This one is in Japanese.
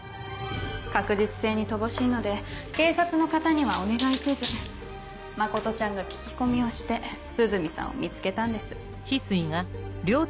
確実性に乏しいので警察の方にはお願いせず真ちゃんが聞き込みをして涼見さんを見つけたんです。